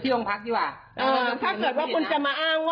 ถ้าสหวนว่าคุณจะมาอ้าง